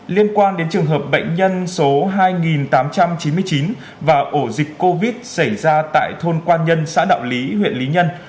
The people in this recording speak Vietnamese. liên quan đến trường hợp bệnh nhân số hai tám trăm chín mươi chín và ổ dịch covid xảy ra tại thôn quan nhân xã đạo lý huyện lý nhân